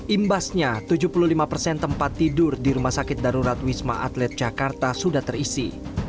imbasnya tujuh puluh lima persen tempat tidur di rumah sakit darurat wisma atlet jakarta sudah terisi